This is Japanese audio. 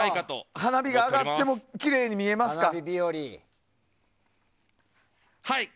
花火が上がってもきれいに見えますか？